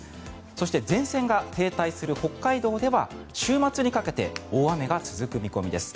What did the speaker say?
そして、前線が停滞する北海道では週末にかけて大雨が続く見込みです。